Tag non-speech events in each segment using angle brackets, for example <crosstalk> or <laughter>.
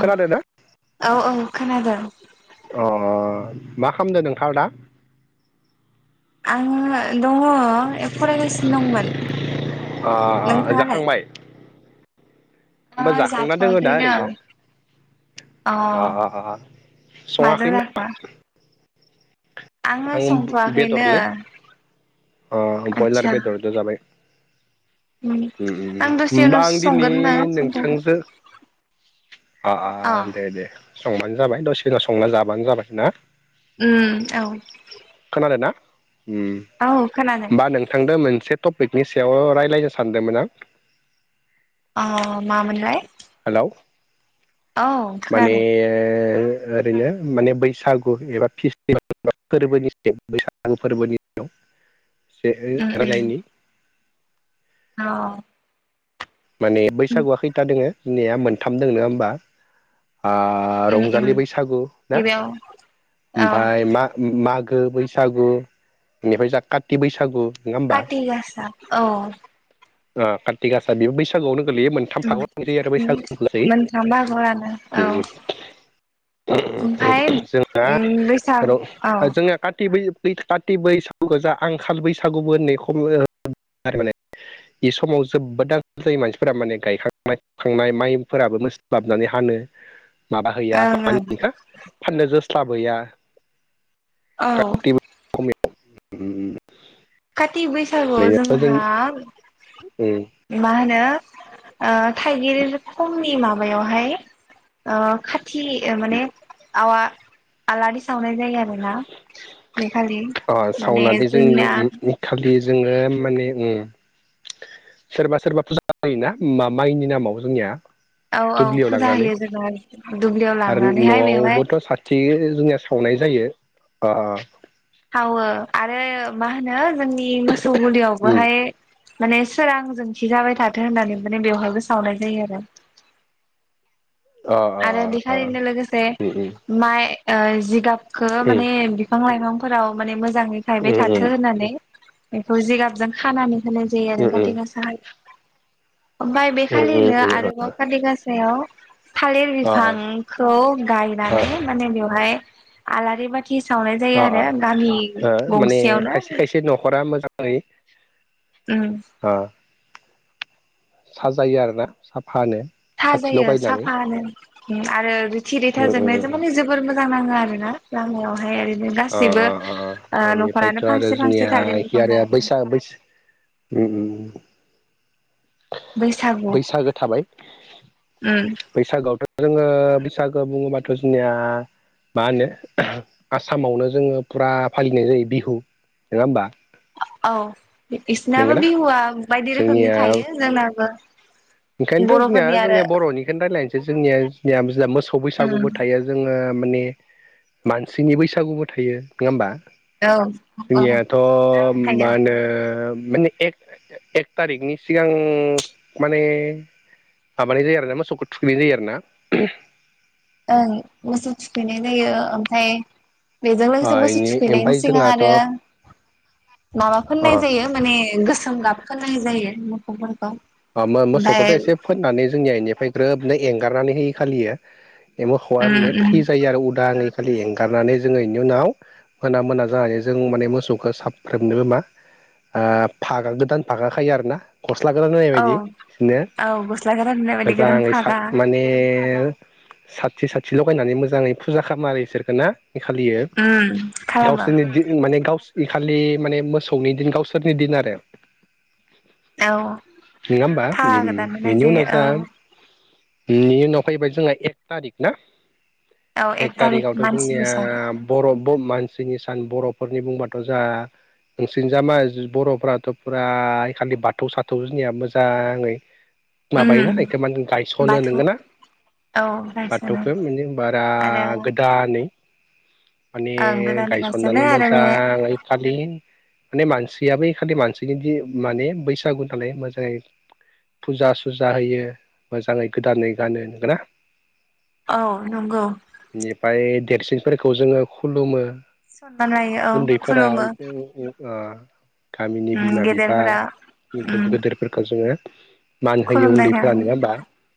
खोनादों ना औ औ खोनादों। अ मा खामदों नोंथांङा दा? आङो दङ फरायगासिनो दंमोन। ओ नोंथाङालाय? जाखांबाय? ओ होमबा जाखांना दङो दा जाथ'वाखैनो ओरैनो। अ अ माजों सङाखै नामा? जाखो आङो आं संथ'वाखैनो बेदरलै ओ बयलार आदसा बेदरजों जाबाय। उम आं दसे होमबा उनावसो आं दिनै संगोन होनना संथ'वाखै नोंथांजो अ दे दे संबानो जाबाय दसे दिनाव संना जाबानो जाबाय ना। उम औ। खोनादों ना उम औ खोनादों ओमबा नोंथांदो मोनसे टपिकनि सायाव रायजलायनो सानदोंमोन आं अ मामोनलाय हेल' औ माने खोनादों ओरैनो माने बैसागु एबा फेस्टिभेल फोरबोनि सायाव बैसागु फोरबोनि सायाव <unintelligible> <unintelligible> अ माने बैसागुआ खैथा दोङो जोंनिया मोनथाम दङ नङा होमबा ओ उम उम रंजालि बैसागु ना गिबियाव औ ओमफाय मा मागो मागो बैसागु बेनिफ्राय जा काथि बैसागु नङा होमबा काथिगासा औ कातिकासा बेबो बैसागुआवनो गोलैयो मोनथाम उम फाग आरो उम बैसाग गो जायो मोनथाम बाहागोआव रानो औ ओम ओमफाय जोंना उम र बैसाग औ जोंहा कथि बै खाथि बैसागु गोजा आंखाल बैसागुबो होननाय खम माने बे समाव जोबोदां जाय मानसिफोरा माने गायखांनाय फुखांनाय माइफोराबो मोनस्लाबनानै हानो माबा हैया ओं ओं माहोनोबेखो फाननो जोस्लाबहया औ ओरैनो काथि बैसागु जों जोंहा उम मा होनो थाइगिर खंनि माबा माबायावहाय खाथि माने आवा आलारि सावनाय जायो आरोना बे खालि अ माने सावनानै जोंना जोंनि खालि जोङो माने सोरबा सोरबा फुजा होयोना माइनि नामाव जोंनिया औ औ दुब्लियाव फुजा लांनानै होयो जोंना दुब्लियाव आरो लांनानैहाय बेवहाय न'आवबोथ' साथि जोंनिया सावनाय जायो सावो आरो मा होनो जोंनि मोसौ उम गलियावबोहाय माने सोरांजों थि जाबाय थाथों होननानै माने बेवहायबो सावनाय जायो आरो अ आरो अ बिखारिनो लोगोसे उम माइ जिगाबखौ उम माने बिफां लाइफांफोराव माने मोजाङै थायबाय उम उम थाथों होननानै बेखौ जिगाबजों खानानै होनाय जायो उम आरो कातिगागासााहाय ओमफाय बे उम खालिनो उम उम आरोबाव कातिगासायाव थालिर अ बिफांखौ अ गायनानै माने बेवहाय आलारि बाथि थि सावनाय अ जायो अ आरो गामि ओ गंसेयावनो ओइ उम साजायो आरोना साफ साजायो साफानो आरो रिथि रिथा उम जोंनाय उम जों माने जोबोर मोजां मोजां नाङो आरोना लामायाव अ अ अ न'खरानो बेनिफ्रायथ' आरो फांसे जोंनिया फांसे थालिर एखि बिफां आरो गायो बैसाग बै उम बैसागु बैसागो थाबाय उम बैसागोआवथ' जोङो बैसागो बुङोबाथ' जोंनिया मा होनो आसामावनो जोङो फुरा फालिनाय जायो बिहु नङा होमबा औ बिसिनाबो नंगौना बिहुआ बायदि जोंनिया रोखोमनि थायो जोंनाबो ओंखायनोथ' जोंनिया बर'फोरनि आरो जोंनिया बर'निखौनो रायजलायनोसै जोंनिया जोंनिया मोसौ उम बैसागुबो थायो जोङो माने मानसिनि बैसागुबो थायो नङा होमबा औ जोंनिया औ थायो मा होनो माने एक एक थारिखनि सिगां माने माबानाय जायो आरो ना मोसौखौ थुखैनाय जायो आरो ना ओं मोसौ थुखैनाय जायो ओमफ्राय बेजों ओ लोगोसे मोसौ इनि थुखैनायनि ओमफाय सिगां जोंहाथ' आरो माबा फोननाय जायो माने गोसोम गाब फोननाय जायो मोखौफोरखौ मोसौखौथ' एसे फोननानै जोंनि इनिफ्राय ग्रोबनो एंगारनानै होयो खालियो ए मोखौआ उम माने उम फ्रि जायो आरो उदांयै खालि एंगारनानै जोङो इनि उनाव मोना मोना जानानै जों माने मोसौखौ साफ्रोमनोबो मा ओ फागा गोदान फागा खायो आरो ना गस्ला गोदान बि औ बिनो औ गस्ला गोदान होननाय बायदि गोदान जानानै सर फागा माने साथि साथि लगायनानै मोजाङै फुजा खालामो आरो इसोरखौ ना खालियो उम खालामो गावसोरनि दिन माने गावसो बे खालि माने मोसौनि दिन गावसोरनि दिन आरो औ नङा होमबा फागा ओम गोदान होनाय बेनि उनाव जायो जा औ बिनि उनाव फैबाय जोंहा एक थारिख ना औ एक थारिक थारिखआवथ' मानसि जोंनिया बैसागु बर' मानसिनि सान बर'फोरनि बुंबाथ' जा नोंसोरनि जामा बर'फ्राथ' फुरा खालि बाथौ साथौ जुनिया मोजाङै उम माबायोना एखुमान गायस'नो बाथौ नोंगोन ना? औ गायसनो बाथौखौ माने बारा आरो गोदानै माने ओं गोदानै गायसनो गायसननानै आरो बे मोजाङै फलिन माने मानसियाबो एखालि मानसिनि दि माने बैसागु नालाय मोजाङै फुजा सुजा होयो मोजाङै गोदानै गानो नंगोना? औ नंगौ। फोरखौ जोङो खुलुमो सनमान लायो औ उन्दैफोरा खुलुमो ओ गामिनि उम बिमा बिफा गेदेरफोरा उम गोदोरफोरखौ जोङो मान होयो खुलुमनाय उन्दैफोरा थाङो नङा होमबा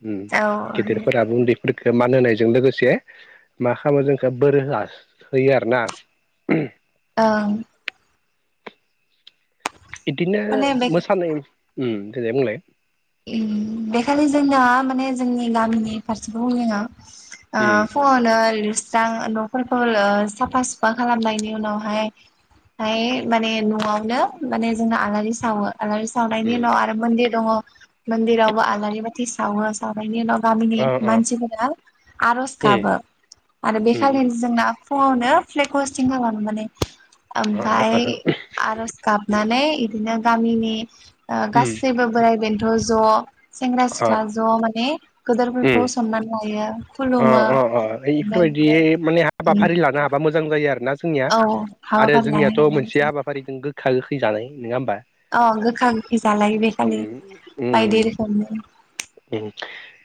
ओम औ होयो गेदेरफोराबो उन्दै फोरख मान होनायजों लोगोसे मा खालामो जोंखो बोर होआ होयो आरोना ओ बिदिनो माने बे मोसानाय ओम देनाय बुंलाय? ओम बेखालि जोंना माने जोंनि गामिनि फारसेखौ बुंनि आं आ उम फुंआवनो मोजां न'फोरखौ ओ साफा सुफा खालामनायनि उनावहाय फाय माने न'आवनो माने जोंना आलारि सावो। आलारि सावनायनि उम उनाव आरो मन्दिर दङ मन्दिरावबो आलारि बाथि सावो सावनायायनि उनाव गामिनि अ अ मानसिफोरा आर'ज उम गाबो आरो उम उम बेखालिनो जोंना फुङावनो फ्लेग हस्टिं खालामाबानो माने अ ओमफाय आरज गाब नानै बिदिनो गामिनि उम गासैबो बोराइ बेन्थ' ज' सेंग्रा सिख्ला ज' माने गदोरफोरखौ सनमान लायो। अ खुलुमो अ अ ओमफ्राय इफोरबायदि माने हाबाफारि लानो हाबा मोजां जायो आरो ना? जोंनिया औ आरो हाबाफारि लानो जोंनियाथ' मोनसे हायो हाबाफारिदों गोखा गोखै जानाय नङा होमबा? अ गोखा गोखै जालायो बे खालि बायदि रोखोमनि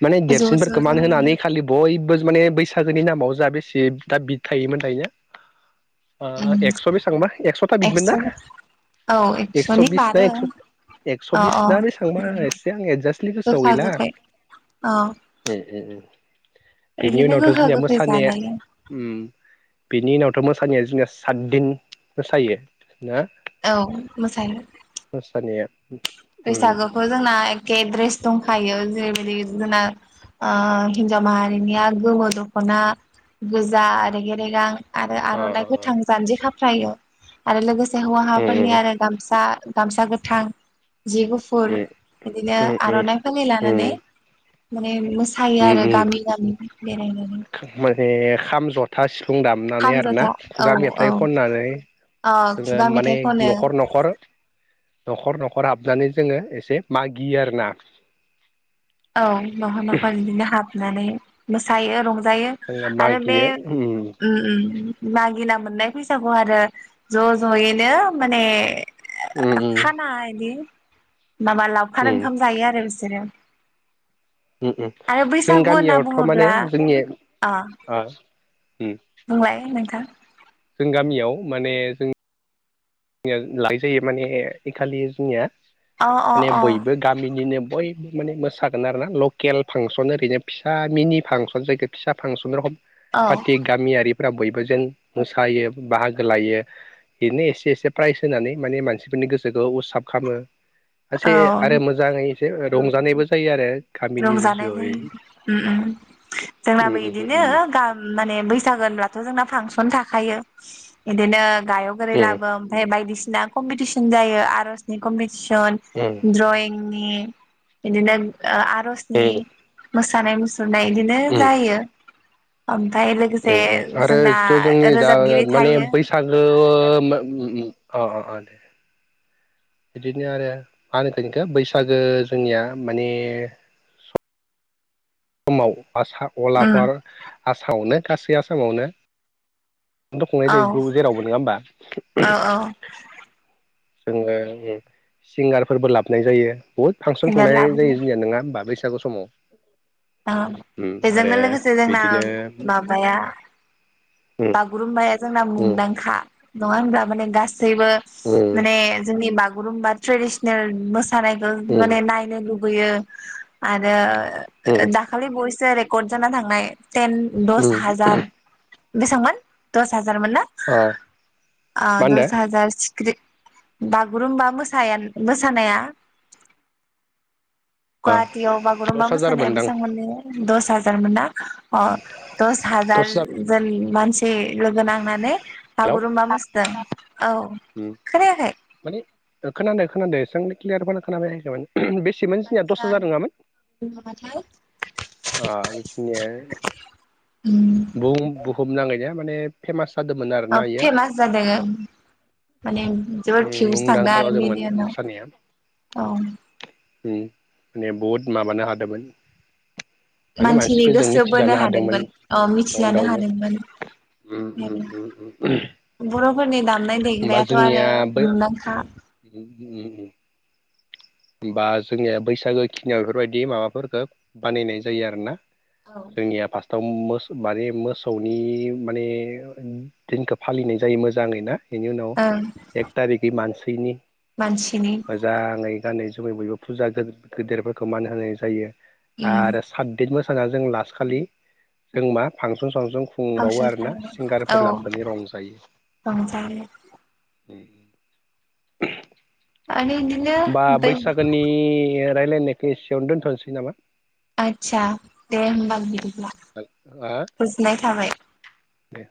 माने ज' देरसिनफोरखौ ज' मान ज'नो होनानै खालि बयबो माने बैसागोनि नि नामाव जा बेसे दा बि थायोमोन दायो उम एकस' बेसेबां बा एकस'था बिदमोन एक्स' ना? औ एकस' एक्स'नि बिस ना बारो एस' एकस' अ अ बिसना बेसेबांबा एसे आं एदजास्टलि गोसोआव गोखा गैला गोखै औ ओम ओम ओम। बेनि बिदिनो उनावथ' गोखा जोंनिया गोखै मोसानाया जालायो उम बेनि उनाव थ' मोसानाया जोंनि सातदिन मोसायो। ना औ मोसायो मोसानाया बैसागोखौ जोंना एखे द्रेस दंखायो जेरैबायदि जोंना ओ हिनजाव माहारिनिया गोमो दख'ना गोजा आरो रेगे रेगां आरो अ आर'नाइ गोथां जानजि खाफ्रायो आरो लोगोसे हौवाहाफोरनिया आरो गामसा गामसा गोथां जि गुफुर बिदिनो आर'नाइ फालि लानानै अ माने मोसायो उम आरो उम गामि गामि बेरायनानै माने खाम जथा सिफुं दामनानै खाम आरोना जथा औ खुगा मेथाइ औ खननानै ओ जोङो खुगा माने मेथाइ खनो न'खर न'खर न'खर न'- खर हाबनानै जोङो एसे मागियो आरो ना औ न'हर न'खर बिदिनो हाबनानै मोसायो रं- जायो जोङो आरो बे मागियो उम उम लागिना मोननाय फैसाखौ आरो ज' ज'यैनो माने उम खाना इदि माबा उम लावखार ओंखाम जायो आरो बिसोरो उम उम आरो जों बैसागु होनना गामियावथ' माने बुङोब्ला जोंनि अ ओ उम बुंलाय नोंथां जों गामियाव माने जों लायजायो माने हेखालि जोंनिया अ अ माने अ बयबो गामिनिनो बयबो माने मोसागोन आरो ना लकेल फांसन ओरैनो फिसा मिनि फांसन जायग फिसा फांसन रखम औ फाथि गामिआरि- फोरा बयबो जों मोसायो बाहागो लायो बेनो एसे एसे प्राइज होनानै माने मानसिफोरनि गोसोखौ उत्साब खामो एसे औ आरो मोजाङै एसे रंजानायबो जायो आरो गामिनि रंजानाय जयै जायो उम उम उम जोंनाबो इदिनो उम गा माने बैसागो होनब्लाथ' जोंना फांसन थाखायो इदिनो गायक ओरै उम लाबो ओमफ्राय बायदिसि- ना कम्पिटिसन जायो आर'जनि कम्पिटिसन द्रइिं- नि बिदिनो ओ आरजनि उम मोसानाय मुस- सुरनाय इदिनो उम जायो ओम उम उम आरो ज' जोंनि दा रोजाबगिरि माने थायो बैसागो मा उम उम अ अ अ दे बिदिनो आरो मा होनगोन खो बैसागो जोंनिया माने माव आसा उम अलाफार आसामावनो गासै आसामावनो औ <unintelligible> जेरावबो नङा होमबा औ औ जोङो उम सिंगारफोरबो लाबोनाय जायो बुहुद फांसन सिंगार खुंनाय लाबोयो जायो जोंनिया नोंङा होनबा बैसागु औ समाव उम बेजोंनो आरो लोगोसे जोंना बिदिनो माबाया उम बागुरुम्बाया जोंना उम मुंदांखा नङा होनब्ला माने गा- सैबो उम माने जोंनि बागुरुम्बा ट्रेदिसनेल मोस- नायखौ उम माने नायनो लुबैयो आरो उम दाखालि बय- जे रेकर्ड जाना थांनाय टेन दस उम हार बेसेबांमोन दस हा- जारमोनना अ ओ मा होनदो दस हाजार बागुरुम्बा मोसाया मोसानाया अ गुवाहाटियाव बागुरुम्बा दस हाजार मोसानाया मोनदां बेसेबां मोनो दस हाजारमोन ना अ दस हाजार उम मानसि लोगो नांनानै हेलौ बागुरुमबा मोसदों औ खोनायाखै ओ खोनादों खोनादों एसेनो क्लियार बारा खोना फैआखैमोन बेसेमोनान जोंनिया दस आदसा हाजार नङामोन माबाथाय बिखनि बुहुम बुहुम नांगैनाा माने फेमास जादोंमोन ओ आरोना इयो फेमास जादों माने जोबोद फिउस थांदों मुंदांखा आरो जादोंमोन मोसानाया मिलियानाव औ। उम माने बहुद माबानो हादोंमोन। माने मानसिनि मानसिफोरजों गोसो बोनो मिथिजानो हादोंमोन ओ मिथिजानो वर्ल्डआवनो। हादोंमोन उम उम उम उम। बर'फोरनि दामनाय होमबा देनायाथ' जोंनिया आरो बै मुंदांखा उम उम। बा जोंनिया बैसागो खिनियाव इफोरबायदि माबाफोरखौ बानायनाय जायो आरो ना। औ जोंनिया फास थाव मोसौ माने मोसौनि माने दिनखौ फालिनाय जायो मोजाङै ना? बेनि उनाव ओं एक थारिगै मानसिनि मानसिनि मोजाङै गानै जोमै बयबो फुजा गो-गोदेरफोरखौ मान होनाय जायो उम आरो साथदिन मोस फोरा जों लास खालि जों मा फांसन सांसन खुंबावो फांसन आरोना खालामनाय सिंगारफोर औ लाबोनानै रं जायो। रंजायो उम। आरो इदिनो बा बै बैसागोनि रायलायनायखौ एसेयावनो दोनथ'नोसै नामा? आदसा दे होमबा बिदिब्ला गोजोननाय थाबाय। दे।